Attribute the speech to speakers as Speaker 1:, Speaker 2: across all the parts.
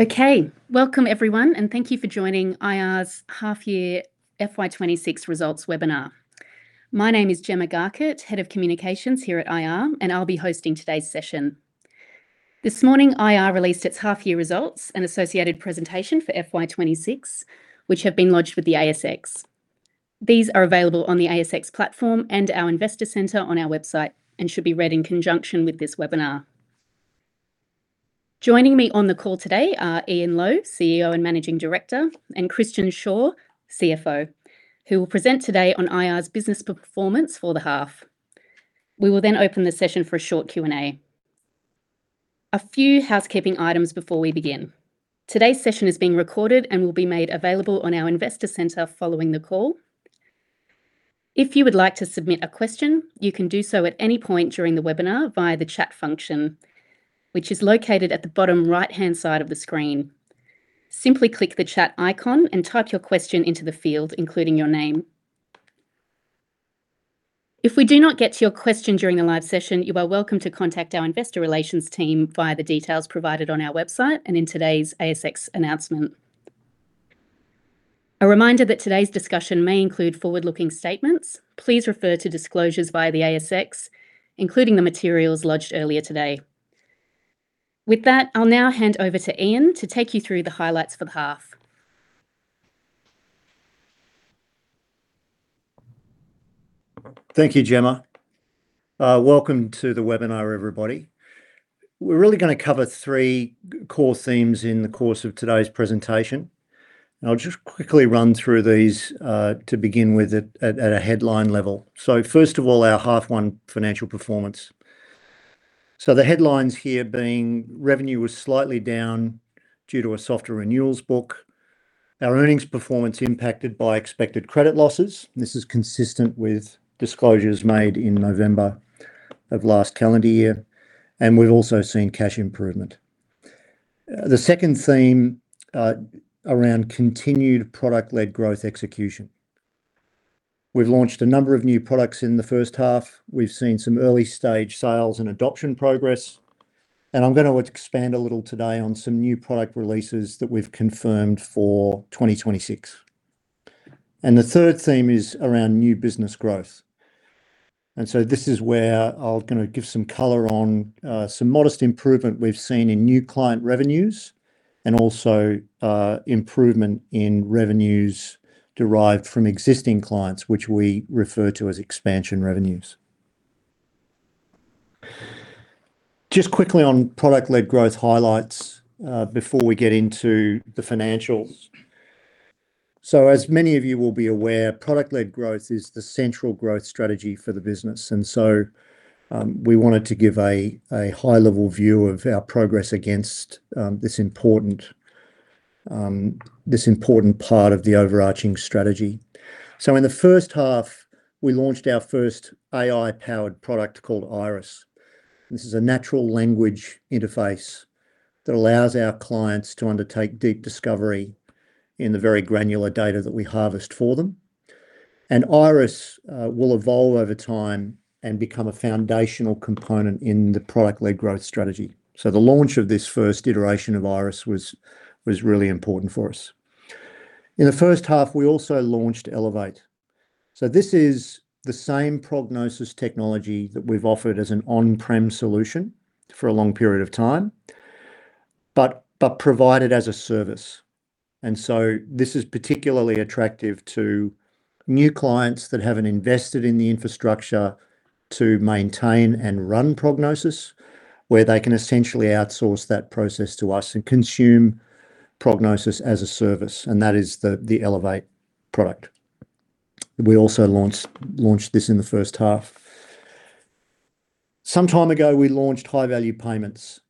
Speaker 1: Okay, welcome everyone, and thank you for joining IR's half year FY 2026 results webinar. My name is Gemma Garrett, Head of Communications here at IR, and I'll be hosting today's session. This morning, IR released its half year results and associated presentation for FY 2026, which have been lodged with the ASX. These are available on the ASX platform and our Investor Centre on our website, and should be read in conjunction with this webinar. Joining me on the call today are Ian Lowe, CEO and Managing Director, and Christian Shaw, CFO, who will present today on IR's business performance for the half. We will open the session for a short Q&A. A few housekeeping items before we begin. Today's session is being recorded and will be made available on our Investor Centre following the call. If you would like to submit a question, you can do so at any point during the webinar via the chat function, which is located at the bottom right-hand side of the screen. Simply click the chat icon and type your question into the field, including your name. If we do not get to your question during the live session, you are welcome to contact our Investor Relations team via the details provided on our website and in today's ASX announcement. A reminder that today's discussion may include forward-looking statements. Please refer to disclosures via the ASX, including the materials lodged earlier today. With that, I'll now hand over to Ian to take you through the highlights for the half.
Speaker 2: Thank you, Gemma. Welcome to the webinar, everybody. We're really going to cover three core themes in the course of today's presentation. I'll just quickly run through these to begin with at a headline level. First of all, our half one financial performance. The headlines here being revenue was slightly down due to a softer renewals book. Our earnings performance impacted by expected credit losses. This is consistent with disclosures made in November of last calendar year. We've also seen cash improvement. The second theme around continued product-led growth execution. We've launched a number of new products in the first half. We've seen some early stage sales and adoption progress. I'm going to expand a little today on some new product releases that we've confirmed for 2026. The 3rd theme is around new business growth, this is where I'll kind of give some color on some modest improvement we've seen in new client revenues and also improvement in revenues derived from existing clients, which we refer to as expansion revenues. Just quickly on product-led growth highlights before we get into the financials. As many of you will be aware, product-led growth is the central growth strategy for the business, we wanted to give a high-level view of our progress against this important part of the overarching strategy. In the 1st half, we launched our 1st AI-powered product called Iris. This is a natural language interface that allows our clients to undertake deep discovery in the very granular data that we harvest for them. Iris will evolve over time and become a foundational component in the product-led growth strategy. The launch of this first iteration of Iris was really important for us. In the first half, we also launched Elevate. This is the same Prognosis technology that we've offered as an on-prem solution for a long period of time, but provided as a service. This is particularly attractive to new clients that haven't invested in the infrastructure to maintain and run Prognosis, where they can essentially outsource that process to us and consume Prognosis-as-a-service, and that is the Elevate product. We also launched this in the first half. Some time ago, we launched High Value Payments.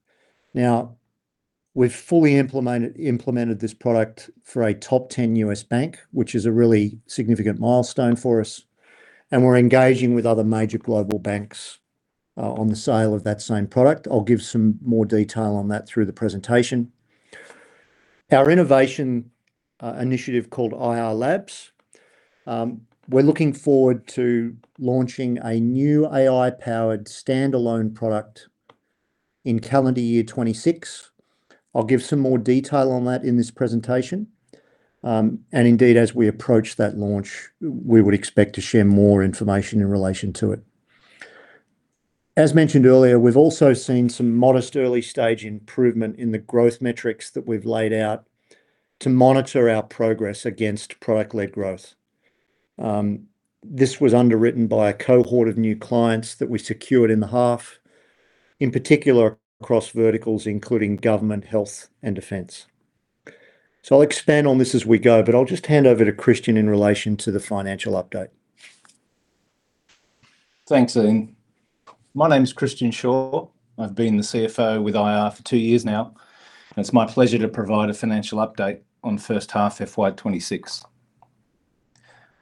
Speaker 2: We've fully implemented this product for a top 10 U.S. bank, which is a really significant milestone for us, and we're engaging with other major global banks on the sale of that same product. I'll give some more detail on that through the presentation. Our innovation initiative, called IR Labs, we're looking forward to launching a new AI-powered standalone product in calendar year 2026. I'll give some more detail on that in this presentation. As we approach that launch, we would expect to share more information in relation to it. As mentioned earlier, we've also seen some modest early stage improvement in the growth metrics that we've laid out to monitor our progress against product-led growth. This was underwritten by a cohort of new clients that we secured in the half, in particular, across verticals, including government, health, and defense. I'll expand on this as we go, but I'll just hand over to Christian in relation to the financial update.
Speaker 3: Thanks, Ian. My name is Christian Shaw. I've been the CFO with IR for two years now. It's my pleasure to provide a financial update on the first half FY 2026.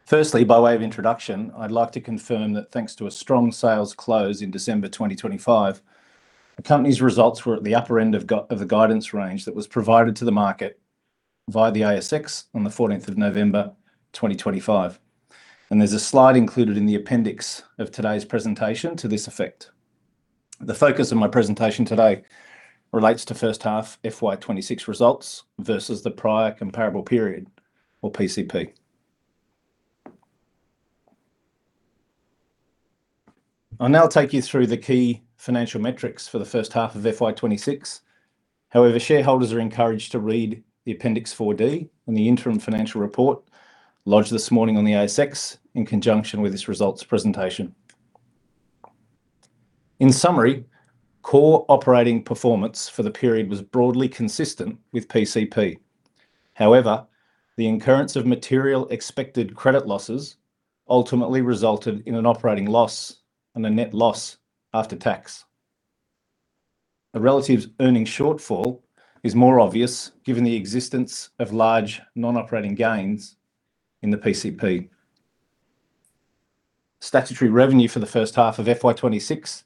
Speaker 3: Firstly, by way of introduction, I'd like to confirm that thanks to a strong sales close in December 2025, the company's results were at the upper end of the guidance range that was provided to the market. Via the ASX on the 14th of November, 2025. There's a slide included in the appendix of today's presentation to this effect. The focus of my presentation today relates to first half FY 2026 results versus the prior comparable period, or PCP. I'll now take you through the key financial metrics for the first half of FY 2026. Shareholders are encouraged to read the Appendix 4D in the interim financial report lodged this morning on the ASX, in conjunction with this results presentation. In summary, core operating performance for the period was broadly consistent with PCP. The incurrence of material expected credit losses ultimately resulted in an operating loss and a net loss after tax. A relative earning shortfall is more obvious, given the existence of large non-operating gains in the PCP. Statutory revenue for the first half of FY 2026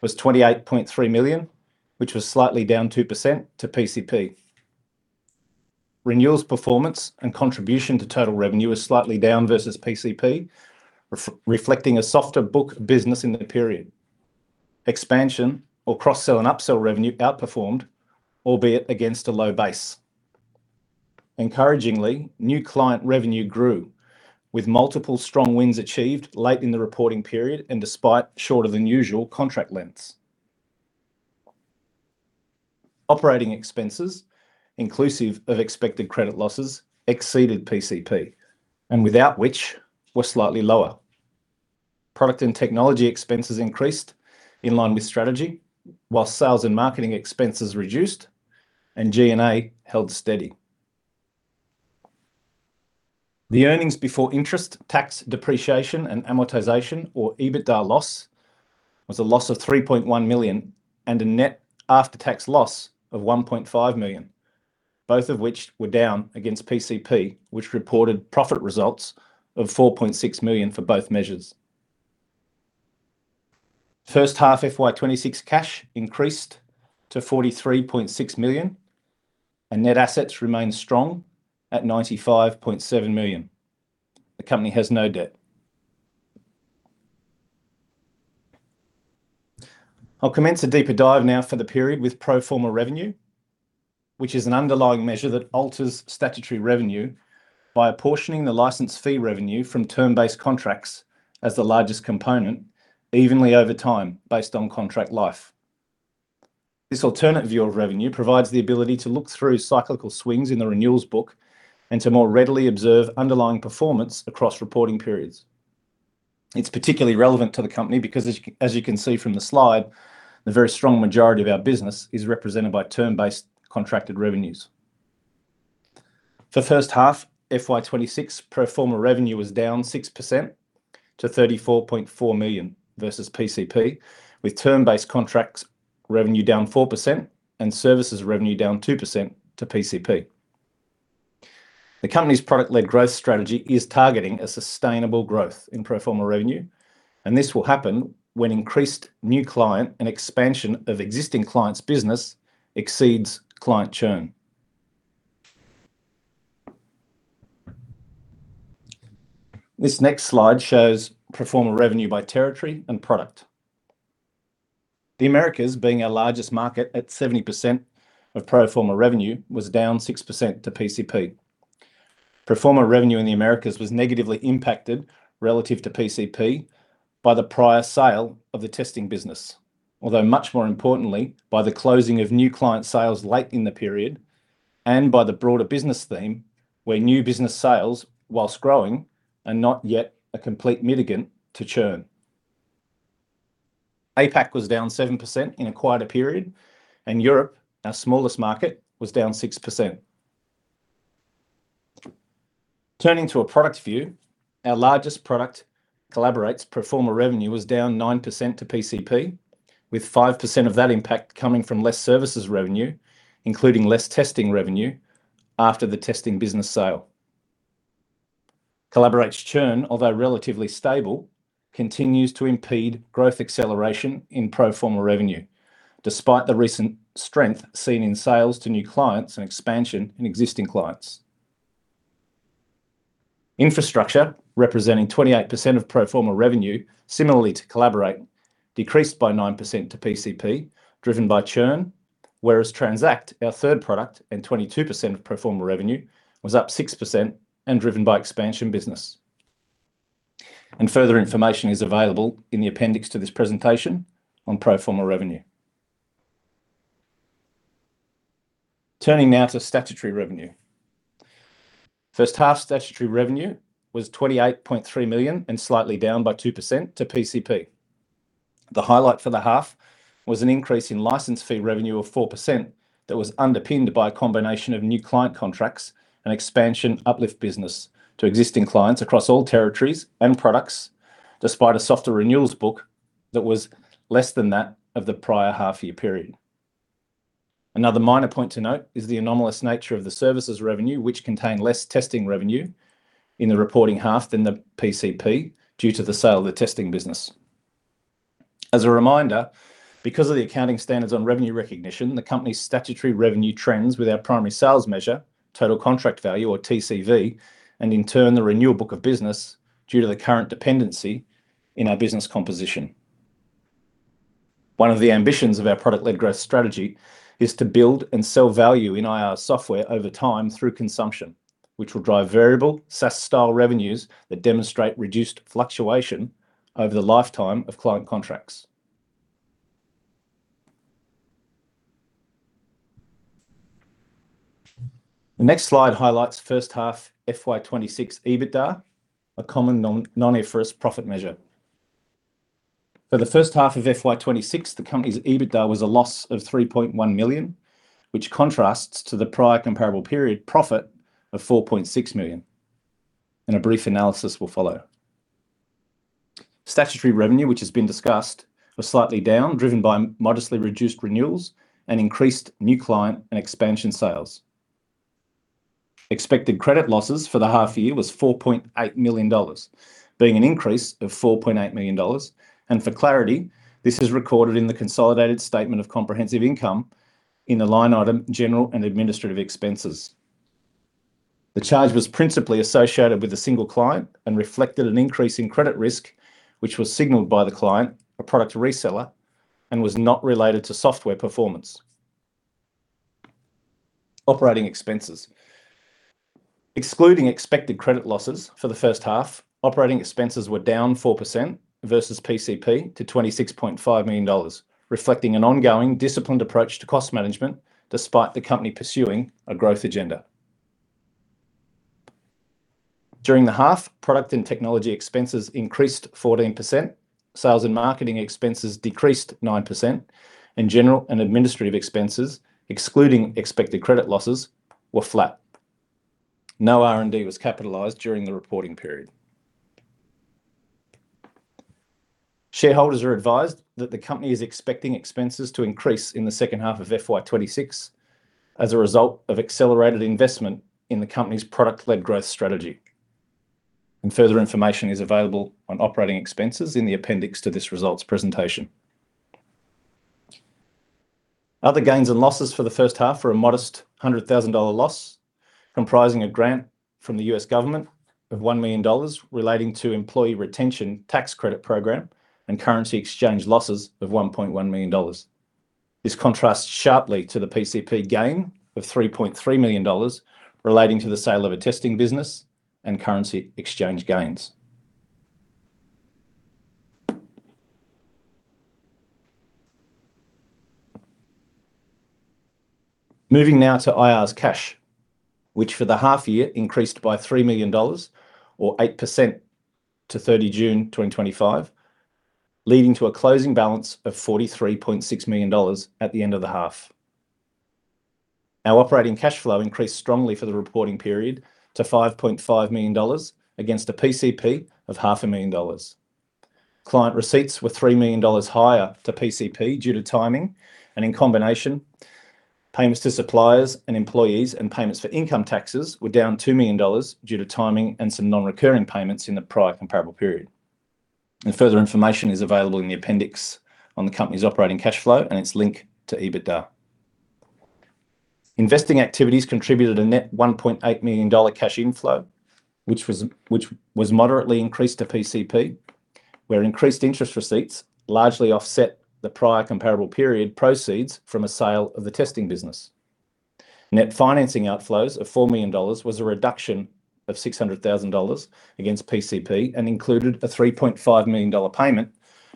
Speaker 3: was 28.3 million, which was slightly down 2% to PCP. Renewals performance and contribution to total revenue is slightly down versus PCP, reflecting a softer book business in the period. Expansion or cross-sell and upsell revenue outperformed, albeit against a low base. Encouragingly, new client revenue grew, with multiple strong wins achieved late in the reporting period and despite shorter than usual contract lengths. Operating expenses, inclusive of expected credit losses, exceeded PCP, and without which were slightly lower. Product and technology expenses increased in line with strategy, whilst sales and marketing expenses reduced and G&A held steady. The earnings before interest, tax, depreciation, and amortization, or EBITDA loss, was a loss of 3.1 million and a net after-tax loss of 1.5 million, both of which were down against PCP, which reported profit results of 4.6 million for both measures. First half FY 2026 cash increased to 43.6 million, and net assets remained strong at 95.7 million. The company has no debt. I'll commence a deeper dive now for the period with pro forma revenue, which is an underlying measure that alters statutory revenue by apportioning the license fee revenue from term-based contracts as the largest component, evenly over time, based on contract life. This alternative view of revenue provides the ability to look through cyclical swings in the renewals book and to more readily observe underlying performance across reporting periods. It's particularly relevant to the company because as you can see from the slide, the very strong majority of our business is represented by term-based contracted revenues. For first half, FY 2026 pro forma revenue was down 6% to 34.4 million versus PCP, with term-based contracts revenue down 4% and services revenue down 2% to PCP. The company's product-led growth strategy is targeting a sustainable growth in pro forma revenue, and this will happen when increased new client and expansion of existing clients' business exceeds client churn. This next slide shows pro forma revenue by territory and product. The Americas, being our largest market at 70% of pro forma revenue, was down 6% to PCP. Pro forma revenue in the Americas was negatively impacted relative to PCP by the prior sale of the testing business, although much more importantly, by the closing of new client sales late in the period and by the broader business theme, where new business sales, whilst growing, are not yet a complete mitigant to churn. APAC was down 7% in a quieter period, and Europe, our smallest market, was down 6%. Turning to a product view, our largest product Collaborate. Pro forma revenue was down 9% to PCP, with 5% of that impact coming from less services revenue, including less testing revenue after the testing business sale. Collaborate churn, although relatively stable, continues to impede growth acceleration in pro forma revenue, despite the recent strength seen in sales to new clients and expansion in existing clients. Infrastructure, representing 28% of pro forma revenue, similarly to Collaborate, decreased by 9% to PCP, driven by churn, whereas Transact, our third product and 22% of pro forma revenue, was up 6% and driven by expansion business. Further information is available in the appendix to this presentation on pro forma revenue. Turning now to statutory revenue. First half statutory revenue was 28.3 million and slightly down by 2% to PCP. The highlight for the half was an increase in license fee revenue of 4%, that was underpinned by a combination of new client contracts and expansion uplift business to existing clients across all territories and products, despite a softer renewals book that was less than that of the prior half year period. Another minor point to note is the anomalous nature of the services revenue, which contained less testing revenue in the reporting half than the PCP, due to the sale of the testing business. A reminder, because of the accounting standards on revenue recognition, the company's statutory revenue trends with our primary sales measure, total contract value or TCV, and in turn, the renewal book of business due to the current dependency in our business composition. One of the ambitions of our product-led growth strategy is to build and sell value in IR software over time through consumption, which will drive variable SaaS-style revenues that demonstrate reduced fluctuation over the lifetime of client contracts. The next slide highlights first half FY 2026 EBITDA, a common non-IFRS profit measure. For the first half of FY 2026, the company's EBITDA was a loss of 3.1 million, which contrasts to the prior comparable period profit of 4.6 million. A brief analysis will follow. Statutory revenue, which has been discussed, was slightly down, driven by modestly reduced renewals and increased new client and expansion sales. Expected credit losses for the half year was 4.8 million dollars, being an increase of 4.8 million dollars. For clarity, this is recorded in the consolidated statement of comprehensive income in the line item, General and Administrative expenses. The charge was principally associated with a single client and reflected an increase in credit risk, which was signaled by the client, a product reseller, and was not related to software performance. Operating expenses. Excluding expected credit losses for the first half, operating expenses were down 4% versus PCP to 26.5 million dollars, reflecting an ongoing disciplined approach to cost management despite the company pursuing a growth agenda. During the half, product and technology expenses increased 14%, sales and marketing expenses decreased 9%, and general and administrative expenses, excluding expected credit losses, were flat. No R&D was capitalized during the reporting period. Shareholders are advised that the company is expecting expenses to increase in the second half of FY 2026 as a result of accelerated investment in the company's product-led growth strategy. Further information is available on operating expenses in the appendix to this results presentation. Other gains and losses for the first half are a modest 100,000 dollar loss, comprising a grant from the U.S. government of $1 million relating to Employee Retention Tax Credit program and currency exchange losses of 1.1 million dollars. This contrasts sharply to the PCP gain of 3.3 million dollars relating to the sale of a testing business and currency exchange gains. Moving now to IR's cash, which for the half year increased by 3 million dollars or 8% to 30 June 2025, leading to a closing balance of 43.6 million dollars at the end of the half. Our operating cash flow increased strongly for the reporting period to 5.5 million dollars, against a PCP of AUD half a million dollars. Client receipts were 3 million dollars higher to PCP due to timing. In combination, payments to suppliers and employees, and payments for income taxes were down 2 million dollars due to timing and some non-recurring payments in the prior comparable period. Further information is available in the appendix on the company's operating cash flow and its link to EBITDA. Investing activities contributed a net 1.8 million dollar cash inflow, which was moderately increased to PCP, where increased interest receipts largely offset the prior comparable period proceeds from a sale of the testing business. Net financing outflows of 4 million dollars was a reduction of 600,000 dollars against PCP, included a 3.5 million dollar payment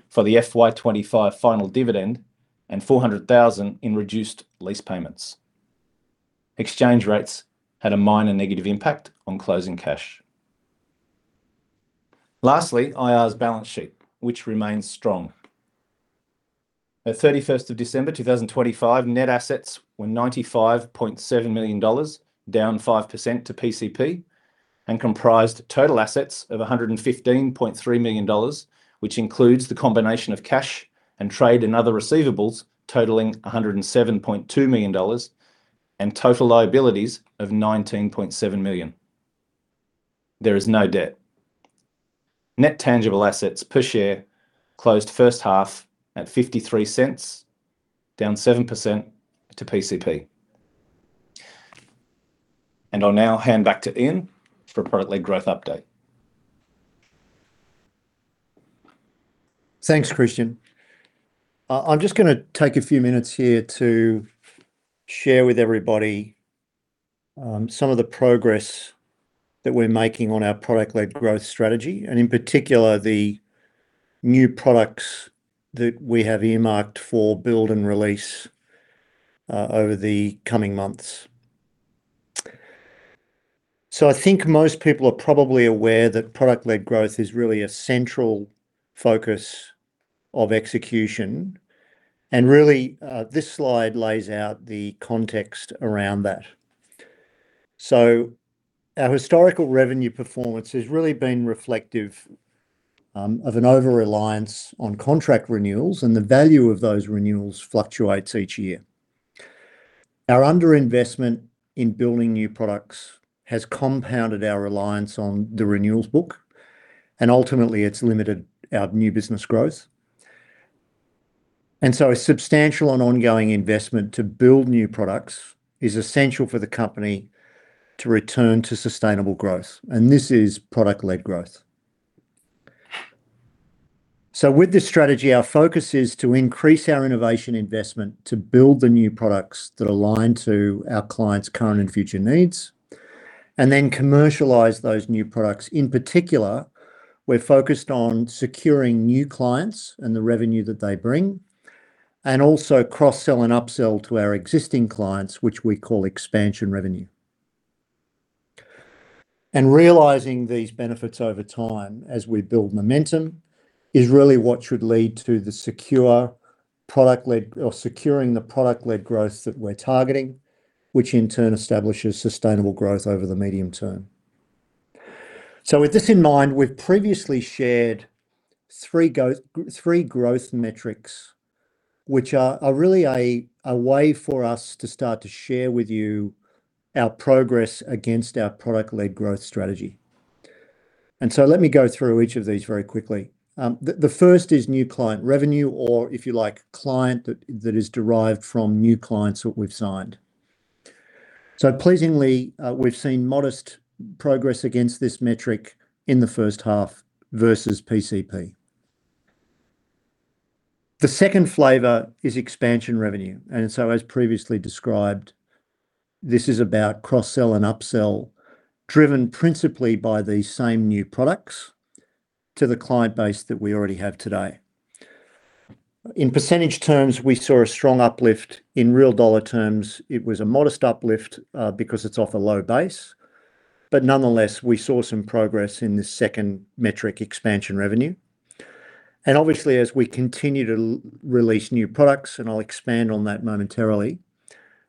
Speaker 3: for the FY 2025 final dividend and 400,000 in reduced lease payments. Exchange rates had a minor negative impact on closing cash. Lastly, IR's balance sheet, which remains strong. At 31st of December, 2025, net assets were 95.7 million dollars, down 5% to PCP, and comprised total assets of 115.3 million dollars, which includes the combination of cash and trade and other receivables totaling 107.2 million dollars, and total liabilities of 19.7 million. There is no debt. Net tangible assets per share closed first half at 0.53, down 7% to PCP. I'll now hand back to Ian for a product-led growth update.
Speaker 2: Thanks, Christian. I'm just gonna take a few minutes here to share with everybody, some of the progress that we're making on our product-led growth strategy, and in particular, the new products that we have earmarked for build and release over the coming months. I think most people are probably aware that product-led growth is really a central focus of execution, and really, this slide lays out the context around that. Our historical revenue performance has really been reflective of an overreliance on contract renewals, and the value of those renewals fluctuates each year. Our underinvestment in building new products has compounded our reliance on the renewals book, and ultimately, it's limited our new business growth. A substantial and ongoing investment to build new products is essential for the company to return to sustainable growth, and this is product-led growth. With this strategy, our focus is to increase our innovation investment to build the new products that align to our clients' current and future needs, and then commercialize those new products. In particular, we're focused on securing new clients and the revenue that they bring, and also cross-sell and upsell to our existing clients, which we call expansion revenue. Realizing these benefits over time as we build momentum is really what should lead to the secure product-led, or securing the product-led growth that we're targeting, which in turn establishes sustainable growth over the medium term. With this in mind, we've previously shared three growth metrics, which are really a way for us to start to share with you our progress against our product-led growth strategy. Let me go through each of these very quickly. The first is new client revenue, or if you like, client that is derived from new clients that we've signed. Pleasingly, we've seen modest progress against this metric in the first half versus PCP. The second flavor is expansion revenue. As previously described, this is about cross-sell and upsell, driven principally by these same new products to the client base that we already have today. In percentage terms, we saw a strong uplift. In real dollar terms, it was a modest uplift, because it's off a low base. Nonetheless, we saw some progress in this second metric, expansion revenue. Obviously, as we continue to release new products, and I'll expand on that momentarily,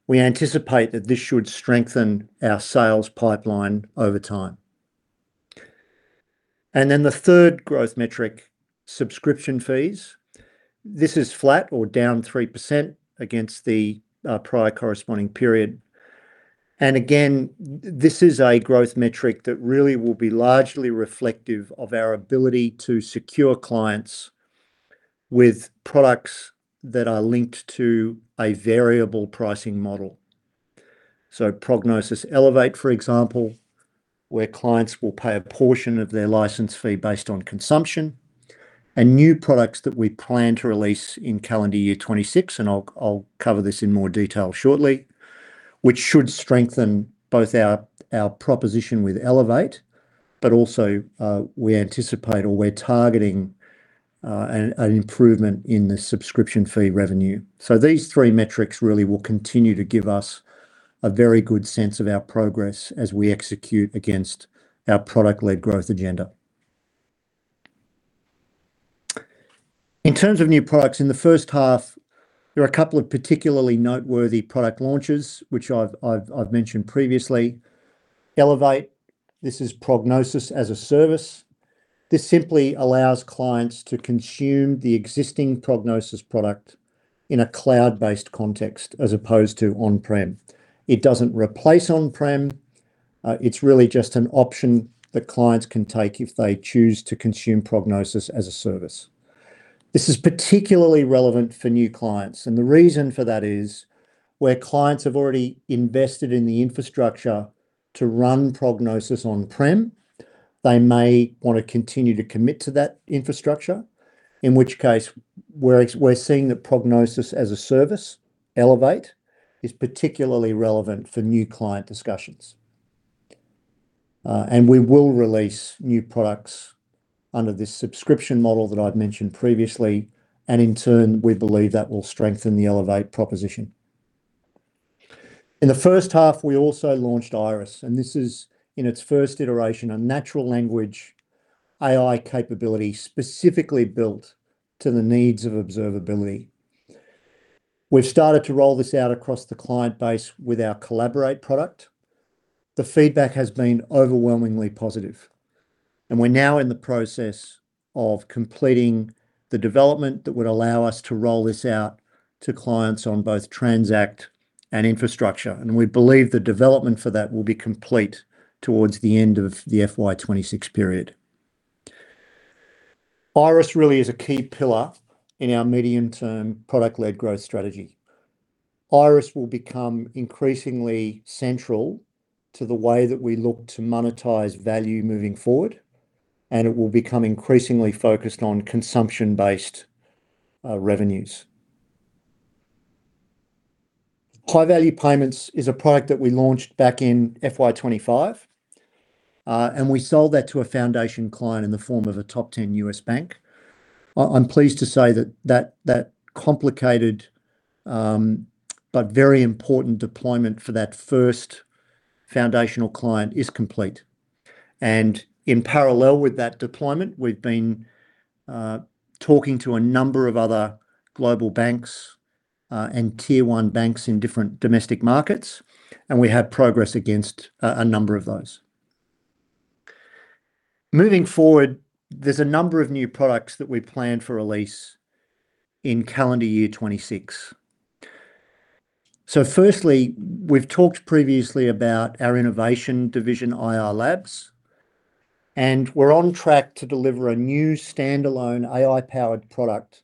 Speaker 2: we anticipate that this should strengthen our sales pipeline over time. The third growth metric, subscription fees. This is flat or down 3% against the prior corresponding period. Again, this is a growth metric that really will be largely reflective of our ability to secure clients with products that are linked to a variable pricing model: Prognosis Elevate, for example, where clients will pay a portion of their license fee based on consumption, and new products that we plan to release in calendar year 2026. I'll cover this in more detail shortly, which should strengthen both our proposition with Elevate, but also we anticipate or we're targeting an improvement in the subscription fee revenue. These three metrics really will continue to give us a very good sense of our progress as we execute against our product-led growth agenda. In terms of new products, in the first half, there are a couple of particularly noteworthy product launches, which I've mentioned previously. Prognosis Elevate, this is Prognosis-as-a-service. This simply allows clients to consume the existing Prognosis product in a cloud-based context as opposed to on-prem. It doesn't replace on-prem. It's really just an option that clients can take if they choose to consume Prognosis-as-a-service. This is particularly relevant for new clients, and the reason for that is, where clients have already invested in the infrastructure to run Prognosis on-prem, they may want to continue to commit to that infrastructure, in which case we're seeing that Prognosis-as-a-service, Prognosis Elevate, is particularly relevant for new client discussions. And we will release new products under this subscription model that I've mentioned previously, and in turn, we believe that will strengthen the Elevate proposition. In the first half, we also launched Iris, and this is, in its first iteration, a natural language AI capability specifically built to the needs of observability. We've started to roll this out across the client base with our Collaborate product. The feedback has been overwhelmingly positive, and we're now in the process of completing the development that would allow us to roll this out to clients on both Transact and Infrastructure, and we believe the development for that will be complete towards the end of the FY 2026 period. Iris really is a key pillar in our medium-term product-led growth strategy. Iris will become increasingly central to the way that we look to monetize value moving forward, and it will become increasingly focused on consumption-based revenues. High Value Payments is a product that we launched back in FY 2025, and we sold that to a foundation client in the form of a top 10 U.S. bank. I'm pleased to say that complicated, but very important deployment for that first foundational client is complete. In parallel with that deployment, we've been talking to a number of other global banks and Tier One banks in different domestic markets, and we had progress against a number of those. Moving forward, there's a number of new products that we plan for release in calendar year 2026. Firstly, we've talked previously about our innovation division, IR Labs, and we're on track to deliver a new standalone AI-powered product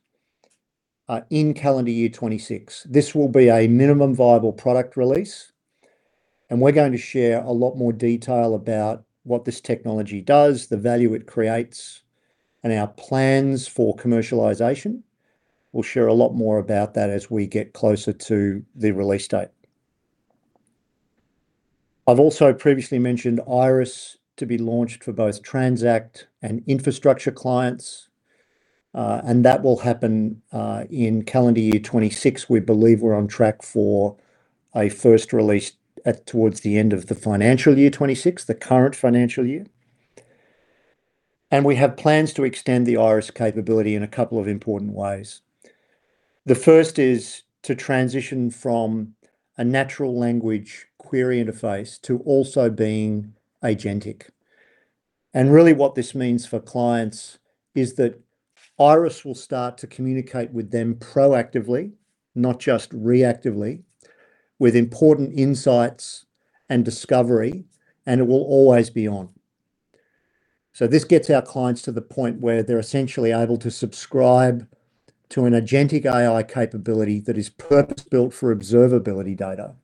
Speaker 2: in calendar year 2026. This will be a minimum viable product release, we're going to share a lot more detail about what this technology does, the value it creates, and our plans for commercialization. We'll share a lot more about that as we get closer to the release date. I've also previously mentioned Iris to be launched for both Transact and Infrastructure clients, that will happen in calendar year 2026. We believe we're on track for a first release towards the end of the financial year 2026, the current financial year. We have plans to extend the Iris capability in a couple of important ways. The first is to transition from a natural language query interface to also being agentic. Really, what this means for clients is that Iris will start to communicate with them proactively, not just reactively, with important insights and discovery, and it will always be on. This gets our clients to the point where they're essentially able to subscribe to an agentic AI capability that is purpose-built for observability data,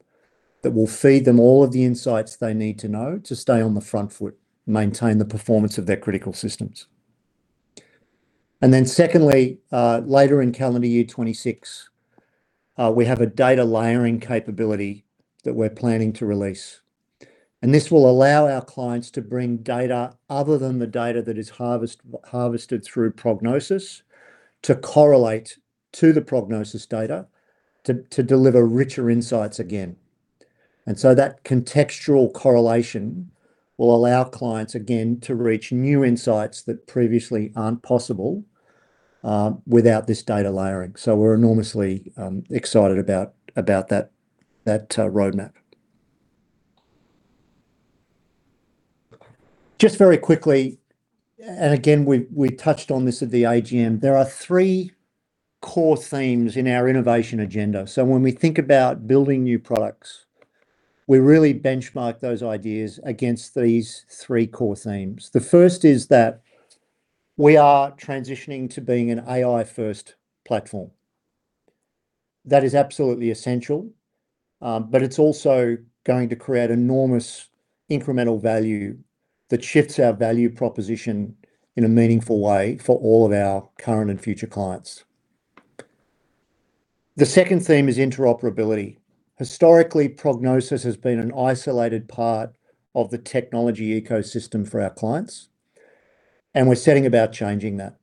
Speaker 2: that will feed them all of the insights they need to know to stay on the front foot, maintain the performance of their critical systems. Then secondly, later in calendar year 2026, we have a data layering capability that we're planning to release, and this will allow our clients to bring data other than the data that is harvested through Prognosis to correlate to the Prognosis data to deliver richer insights again. That contextual correlation will allow clients, again, to reach new insights that previously aren't possible without this data layering. We're enormously excited about that roadmap. Just very quickly, again, we touched on this at the AGM, there are three core themes in our innovation agenda. When we think about building new products, we really benchmark those ideas against these three core themes. The first is that we are transitioning to being an AI-first platform. That is absolutely essential, but it's also going to create enormous incremental value that shifts our value proposition in a meaningful way for all of our current and future clients. The second theme is interoperability. Historically, Prognosis has been an isolated part of the technology ecosystem for our clients, we're setting about changing that.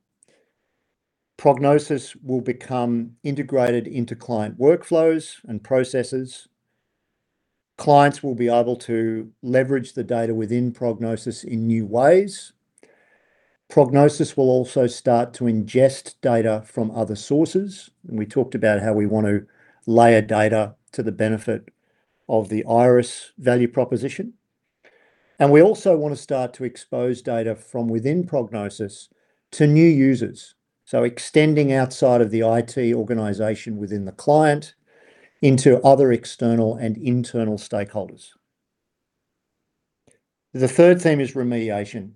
Speaker 2: Prognosis will become integrated into client workflows and processes. Clients will be able to leverage the data within Prognosis in new ways. Prognosis will also start to ingest data from other sources, and we talked about how we want to layer data to the benefit of the Iris value proposition. We also want to start to expose data from within Prognosis to new users, so extending outside of the IT organization within the client into other external and internal stakeholders. The third theme is remediation,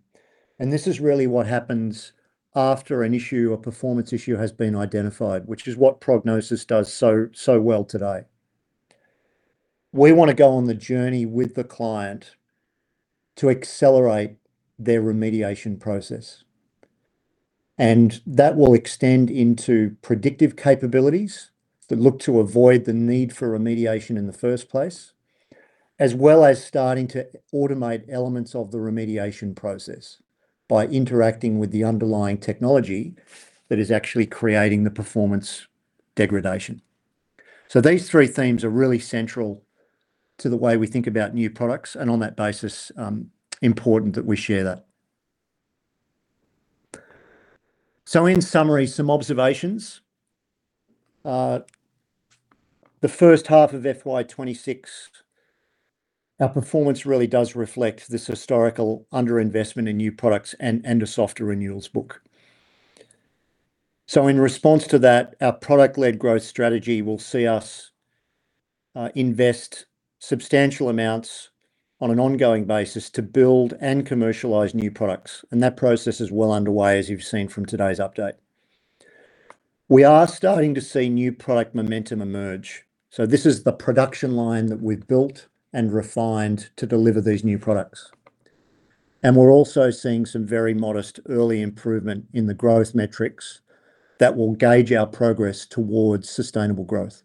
Speaker 2: and this is really what happens after an issue or performance issue has been identified, which is what Prognosis does so well today. We want to go on the journey with the client to accelerate their remediation process. That will extend into predictive capabilities that look to avoid the need for remediation in the first place, as well as starting to automate elements of the remediation process by interacting with the underlying technology that is actually creating the performance degradation. These three themes are really central to the way we think about new products, and on that basis, important that we share that. In summary, some observations. The first half of FY 2026, our performance really does reflect this historical underinvestment in new products and a softer renewals book. In response to that, our product-led growth strategy will see us invest substantial amounts on an ongoing basis to build and commercialize new products, and that process is well underway, as you've seen from today's update. We are starting to see new product momentum emerge, so this is the production line that we've built and refined to deliver these new products. We're also seeing some very modest early improvement in the growth metrics that will gauge our progress towards sustainable growth.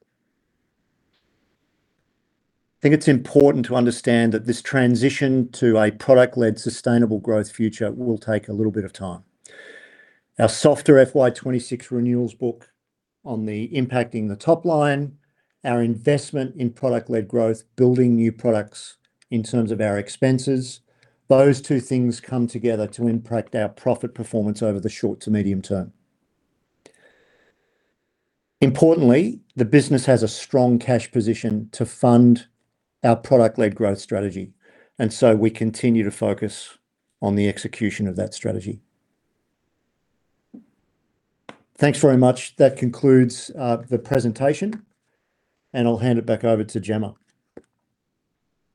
Speaker 2: I think it's important to understand that this transition to a product-led, sustainable growth future will take a little bit of time. Our softer FY 2026 renewals book impacting the top line, our investment in product-led growth, building new products in terms of our expenses, those two things come together to impact our profit performance over the short to medium term. Importantly, the business has a strong cash position to fund our product-led growth strategy, and so we continue to focus on the execution of that strategy. Thanks very much. That concludes the presentation, and I'll hand it back over to Gemma.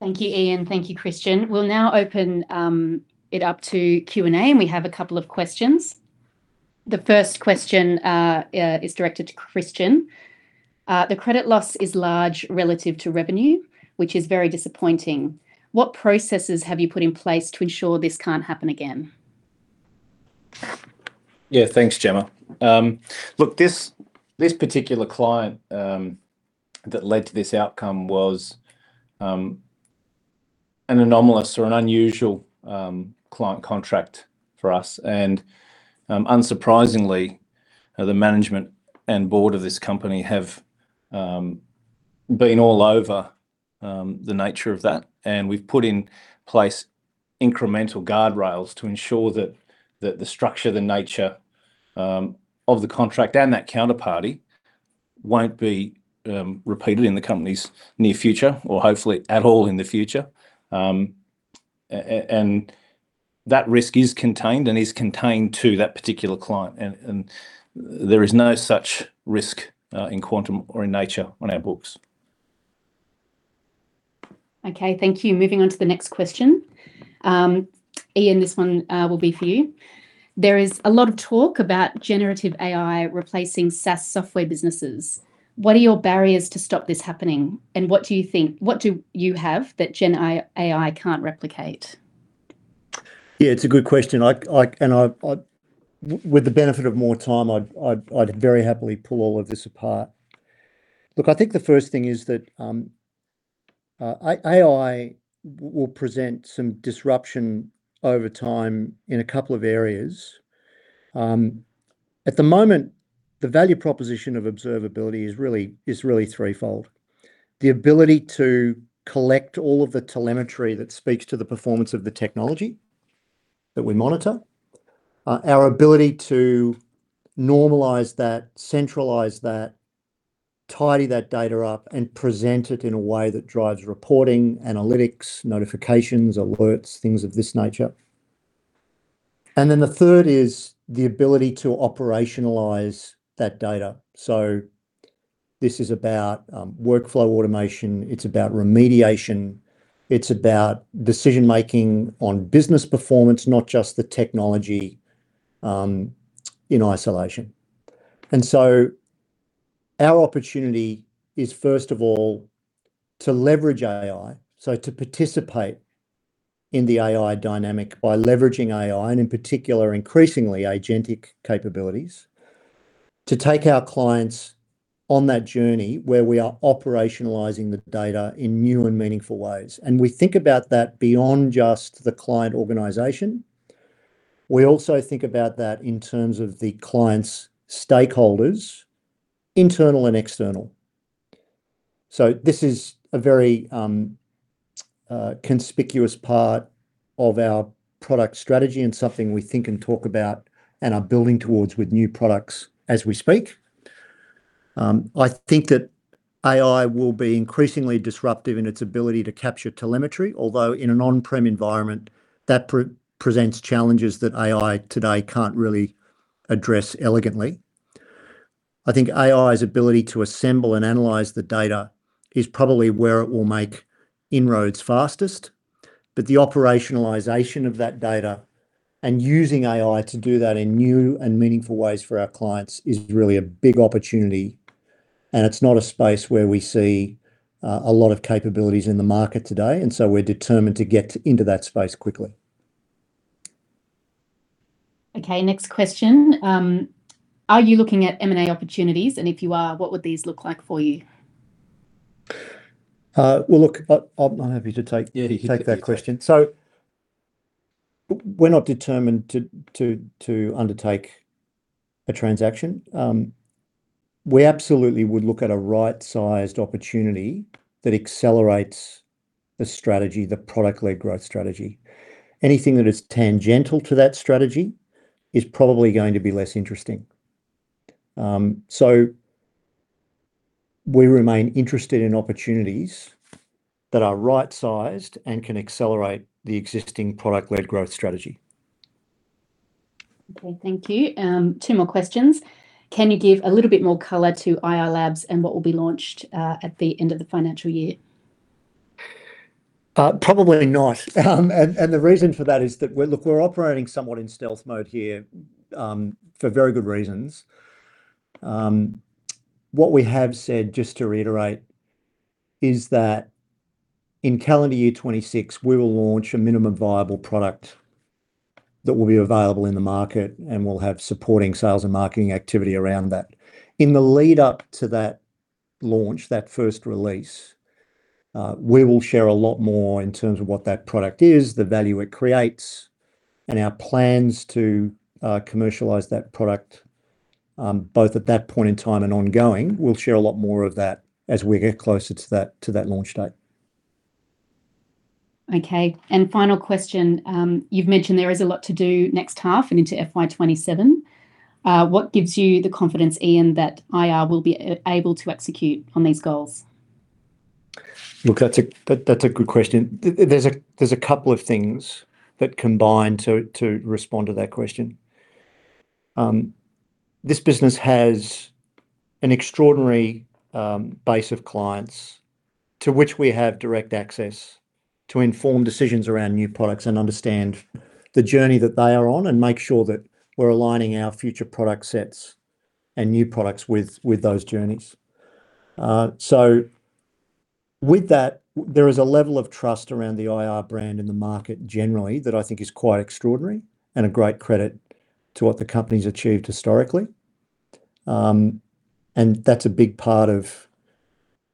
Speaker 1: Thank you, Ian. Thank you, Christian. We'll now open it up to Q&A, we have a couple of questions. The first question is directed to Christian: The credit loss is large relative to revenue, which is very disappointing. What processes have you put in place to ensure this can't happen again?
Speaker 3: Yeah, thanks, Gemma. Look, this particular client that led to this outcome was an anomalous or an unusual client contract for us. Unsurprisingly, the management and board of this company have been all over the nature of that, and we've put in place incremental guardrails to ensure that the structure, the nature of the contract and that counterparty won't be repeated in the company's near future or hopefully at all in the future. That risk is contained and is contained to that particular client, and there is no such risk in quantum or in nature on our books.
Speaker 1: Okay, thank you. Moving on to the next question. Ian, this one will be for you. There is a lot of talk about generative AI replacing SaaS software businesses. What are your barriers to stop this happening, and what do you have that AI can't replicate?
Speaker 2: Yeah, it's a good question. And I... With the benefit of more time, I'd very happily pull all of this apart. Look, I think the first thing is that AI will present some disruption over time in a couple of areas. At the moment, the value proposition of observability is really threefold. The ability to collect all of the telemetry that speaks to the performance of the technology that we monitor. Our ability to normalize that, centralize that, tidy that data up, and present it in a way that drives reporting, analytics, notifications, alerts, things of this nature. The third is the ability to operationalize that data. This is about workflow automation, it's about remediation, it's about decision making on business performance, not just the technology in isolation. Our opportunity is, first of all, to leverage AI, so to participate in the AI dynamic by leveraging AI, and in particular, increasingly agentic capabilities, to take our clients on that journey where we are operationalizing the data in new and meaningful ways. We think about that beyond just the client organization. We also think about that in terms of the client's stakeholders, internal and external. This is a very conspicuous part of our product strategy and something we think and talk about and are building towards with new products as we speak. I think that AI will be increasingly disruptive in its ability to capture telemetry, although in an on-prem environment, that pre-presents challenges that AI today can't really address elegantly. I think AI's ability to assemble and analyze the data is probably where it will make inroads fastest, but the operationalization of that data and using AI to do that in new and meaningful ways for our clients is really a big opportunity, and it's not a space where we see a lot of capabilities in the market today, and so we're determined to get into that space quickly.
Speaker 1: Okay, next question. Are you looking at M&A opportunities, and if you are, what would these look like for you?
Speaker 2: Well, look, I'm happy to.
Speaker 3: Yeah, you take it.
Speaker 2: take that question. We're not determined to undertake a transaction. We absolutely would look at a right-sized opportunity that accelerates the strategy, the product-led growth strategy. Anything that is tangential to that strategy is probably going to be less interesting. We remain interested in opportunities that are right-sized and can accelerate the existing product-led growth strategy.
Speaker 1: Okay, thank you. Two more questions. Can you give a little bit more color to IR Labs and what will be launched at the end of the financial year?
Speaker 2: Probably not. The reason for that is that we're operating somewhat in stealth mode here for very good reasons. What we have said, just to reiterate, is that in calendar year 2026, we will launch a minimum viable product that will be available in the market, and we'll have supporting sales and marketing activity around that. In the lead-up to that launch, that first release, we will share a lot more in terms of what that product is, the value it creates, and our plans to commercialize that product, both at that point in time and ongoing. We'll share a lot more of that as we get closer to that launch date.
Speaker 1: Okay, final question. You've mentioned there is a lot to do next half and into FY 2027. What gives you the confidence, Ian, that IR will be able to execute on these goals?
Speaker 2: Look, that's a good question. There's a couple of things that combine to respond to that question. This business has an extraordinary base of clients to which we have direct access to inform decisions around new products and understand the journey that they are on, and make sure that we're aligning our future product sets and new products with those journeys. With that, there is a level of trust around the IR brand in the market generally, that I think is quite extraordinary, and a great credit to what the company's achieved historically. That's a big part of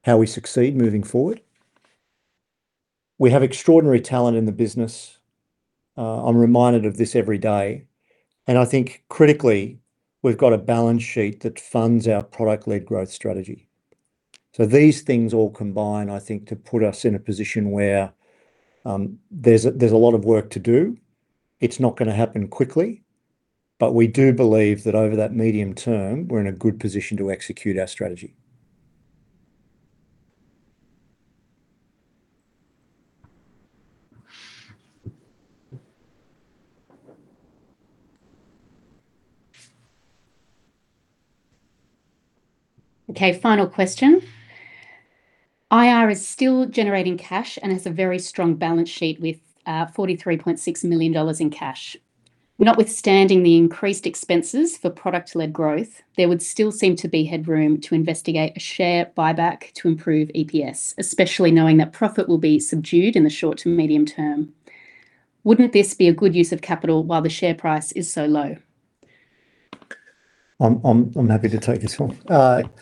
Speaker 2: how we succeed moving forward. We have extraordinary talent in the business. I'm reminded of this every day, I think critically, we've got a balance sheet that funds our product-led growth strategy. These things all combine, I think, to put us in a position where, there's a lot of work to do. It's not gonna happen quickly, but we do believe that over that medium term, we're in a good position to execute our strategy.
Speaker 1: Okay, final question. IR is still generating cash and has a very strong balance sheet with $43.6 million in cash. Notwithstanding the increased expenses for product-led growth, there would still seem to be headroom to investigate a share buyback to improve EPS, especially knowing that profit will be subdued in the short to medium term. Wouldn't this be a good use of capital while the share price is so low?
Speaker 2: I'm happy to take this one.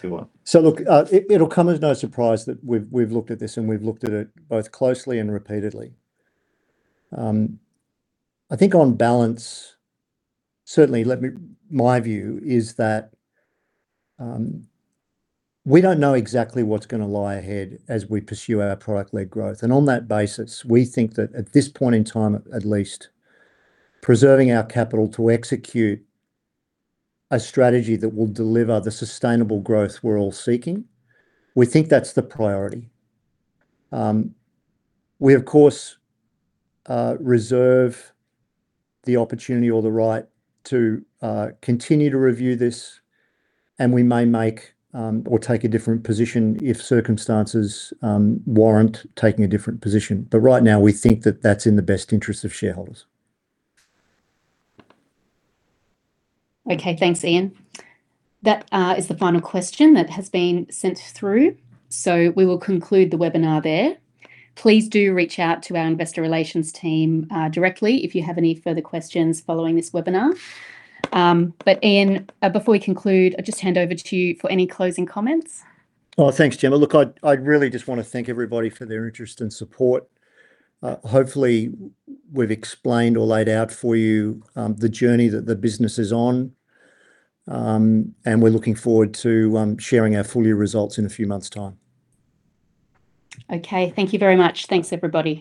Speaker 3: You are.
Speaker 2: Look, it'll come as no surprise that we've looked at this, and we've looked at it both closely and repeatedly. I think on balance, certainly My view is that, we don't know exactly what's gonna lie ahead as we pursue our product-led growth, and on that basis, we think that at this point in time at least, preserving our capital to execute a strategy that will deliver the sustainable growth we're all seeking, we think that's the priority. We of course, reserve the opportunity or the right to continue to review this, and we may make or take a different position if circumstances warrant taking a different position. Right now, we think that that's in the best interest of shareholders.
Speaker 1: Okay, thanks, Ian. That is the final question that has been sent through. We will conclude the webinar there. Please do reach out to our investor relations team directly if you have any further questions following this webinar. Ian, before we conclude, I'll just hand over to you for any closing comments.
Speaker 2: Well, thanks, Gemma. Look, I really just want to thank everybody for their interest and support. Hopefully we've explained or laid out for you the journey that the business is on. We're looking forward to sharing our full year results in a few months' time.
Speaker 1: Okay, thank you very much. Thanks, everybody.